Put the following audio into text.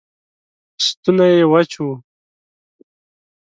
ستونی یې وچ و